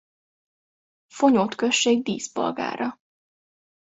Fonyód község díszpolgára.